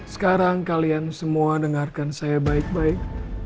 sekarang kalian semua dengarkan saya baik baik